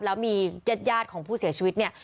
แล้วมีญาติของผู้เสียชีวิตเนี่ย